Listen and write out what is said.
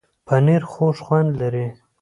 پنېر خوږ خوند لري.